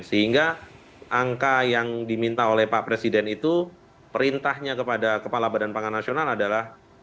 sehingga angka yang diminta oleh pak presiden itu perintahnya kepada kepala badan pangan nasional adalah